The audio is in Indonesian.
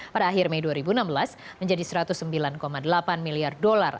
pada akhir mei dua ribu enam belas menjadi rp satu ratus sembilan delapan miliar